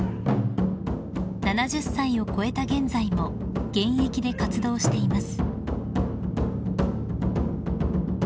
［７０歳を超えた現在も現役で活動しています］